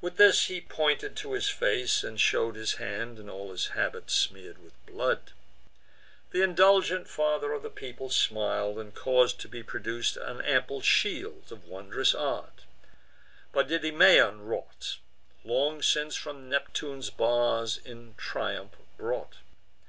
With this he pointed to his face, and show'd His hand and all his habit smear'd with blood. Th' indulgent father of the people smil'd, And caus'd to be produc'd an ample shield, Of wondrous art, by Didymaon wrought, Long since from Neptune's bars in triumph brought.